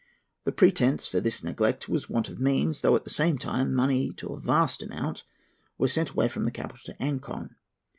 The pretence for this neglect was want of means, though, at the same time, money to a vast amount was sent away from the capital to Ancon.